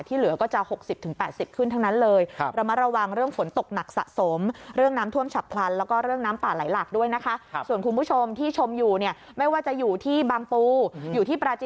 เหลือก็จะ๖๐๘๐ขึ้นทั้งนั้นเลย